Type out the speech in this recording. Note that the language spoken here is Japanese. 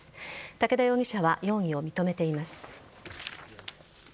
武田容疑者は容疑を認めています。